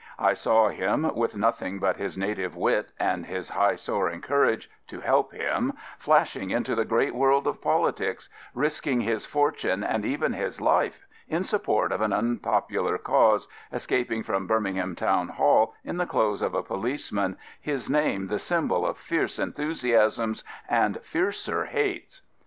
I saw him, with nothing but his native wit and his high soaring courage to help him, flashing into the great world of politics, risking his fortune and even his life in support of an unpopular cause, escaping from Birmingham Town Hall in the clothes of a policeman, his name the s5mibol of fierce enthusiasms and fiercer hates.